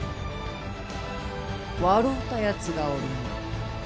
笑うたやつがおるの。